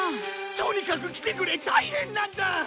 とにかく来てくれ大変なんだ！